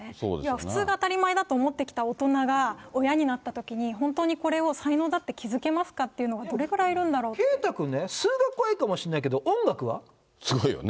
普通が当たり前だと思ってきた大人が親になったときに、本当にこれを才能だって気付けますかっていうのがどれぐらいいる圭太君ね、数学はいいかもしすごいよね。